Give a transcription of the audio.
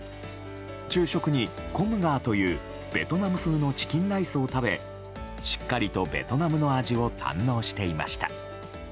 昼食にコムガーというベトナム風のチキンライスを食べしっかりとベトナムの味を堪能していました。